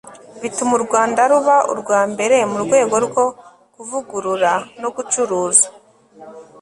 bituma u rwanda ruba urwa mbere mu rwego rwo kuvugurura no gucuruza